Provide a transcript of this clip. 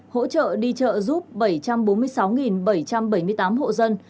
hỗ trợ đi trợ giúp bảy trăm bốn mươi sáu bảy trăm bảy mươi tám hộ dân